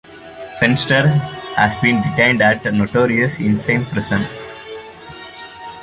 Fenster has been detained at notorious Insein Prison.